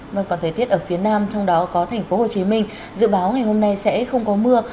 vâng còn thời tiết ở phía nam trong đó có tp hcm dự báo ngày hôm nay sẽ không có mưa